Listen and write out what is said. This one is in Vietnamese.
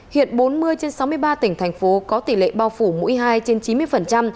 hiện bốn mươi trên sáu mươi ba tỉnh thành phố có tỷ lệ bao phủ mũi hai trên chín mươi